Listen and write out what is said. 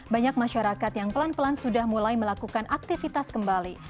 banyak masyarakat yang pelan pelan sudah mulai melakukan aktivitas kembali